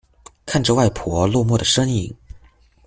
看着外婆落寞的身影